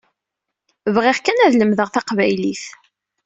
Bɣiɣ kan ad lemdeɣ taqbaylit.